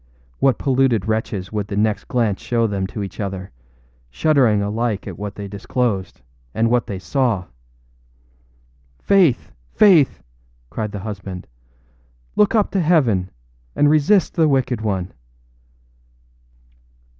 What polluted wretches would the next glance show them to each other, shuddering alike at what they disclosed and what they saw! âFaith! Faith!â cried the husband, âlook up to heaven, and resist the wicked one.